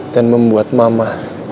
dan membuat mama